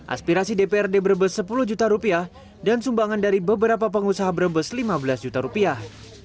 aspirasi dprd brebes sepuluh juta rupiah dan sumbangan dari beberapa pengusaha brebes lima belas juta rupiah